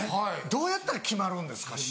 どうやったら決まるんですか？